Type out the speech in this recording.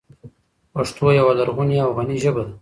پښتو یوه لرغونې او غني ژبه ده.